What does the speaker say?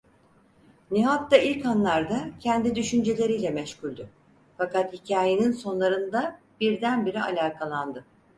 Nihat da ilk anlarda kendi düşünceleriyle meşguldü, fakat hikâyenin sonlarında birdenbire alakalandı.